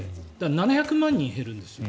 ７００万人減るんですよ